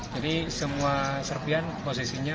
jadi semua serpian posisinya